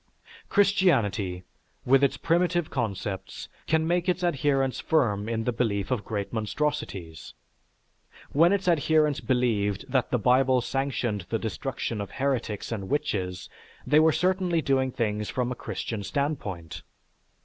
Christianity, with its primitive concepts, can make its adherents firm in the belief of great monstrosities. When its adherents believed that the Bible sanctioned the destruction of heretics and witches, they were certainly doing things from a Christian standpoint.